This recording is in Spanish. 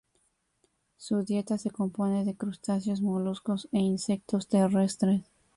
Su dieta se compone de crustáceos, moluscos e insectos terrestres.